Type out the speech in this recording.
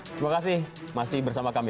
terima kasih masih bersama kami